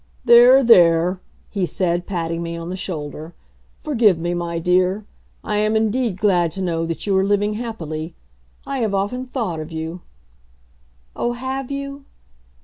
"There! there!" he said, patting me on the shoulder. "Forgive me, my dear. I am indeed glad to know that you are living happily. I have often thought of you " "Oh, have you?"